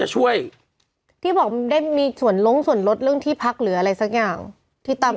ช่วยที่บอกได้มีส่วนล้งส่วนลดเรื่องที่พักหรืออะไรสักอย่างที่ตาม